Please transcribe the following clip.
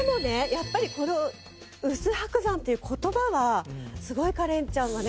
やっぱりこの「薄伯山」という言葉はすごいカレンちゃんはね